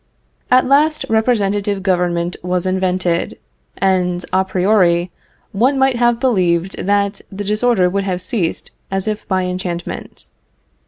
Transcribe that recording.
At last representative government was invented, and, a priori, one might have believed that the disorder would have ceased as if by enchantment.